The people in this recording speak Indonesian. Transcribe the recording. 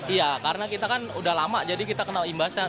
iya karena kita kan udah lama jadi kita kenal imbasan